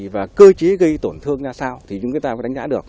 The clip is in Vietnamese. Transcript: và cơ chế gây tổn thương ra sao thì chúng ta phải đánh giá được